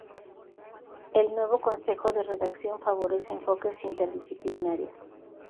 El nuevo consejo de redacción favorece enfoques interdisciplinarios.